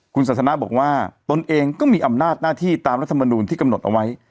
คุณศาสนาบอกว่าตนเองก็มีอำนาจหน้าที่ตามรัฐมนูลที่กำหนดเอาไว้